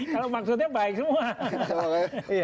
kalau maksudnya baik semua